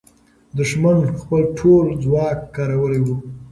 دښمن خپل ټول ځواک کارولی وو.